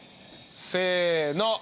せの。